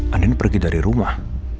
andin pergi dari rumah